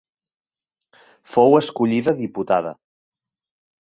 Fou escollida diputada.